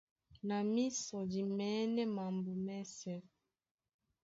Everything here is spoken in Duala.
Na mísɔ di mɛ̌nɛ́ mambo mɛ́sɛ̄.